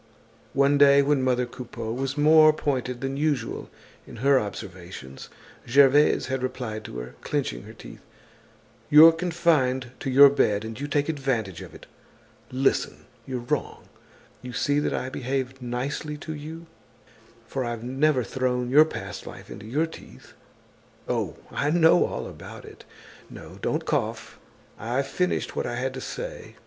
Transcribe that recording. One day when mother Coupeau was more pointed than usual in her observations, Gervaise had replied to her, clinching her teeth: "You're confined to your bed and you take advantage of it. Listen! You're wrong. You see that I behave nicely to you, for I've never thrown your past life into your teeth. Oh! I know all about it. No, don't cough. I've finished what I had to say.